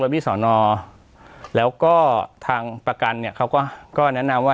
พี่สอนอแล้วก็ทางประกันเนี่ยเขาก็แนะนำว่า